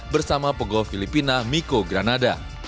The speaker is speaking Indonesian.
bersama pegol filipina miko granada